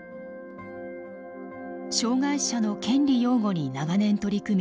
障害者の権利擁護に長年取り組み